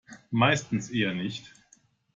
Meistens eher nicht.